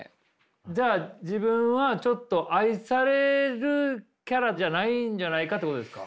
じゃあ自分はちょっと愛されるキャラじゃないんじゃないかってことですか？